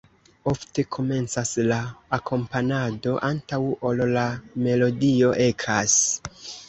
Ofte komencas la akompanado, antaŭ ol la melodio ekas.